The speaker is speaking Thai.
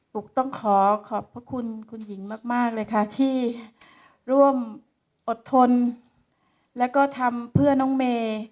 ุ๊กต้องขอขอบพระคุณคุณหญิงมากเลยค่ะที่ร่วมอดทนแล้วก็ทำเพื่อน้องเมย์